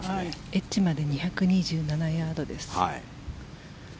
エッジまで２２７ヤードです。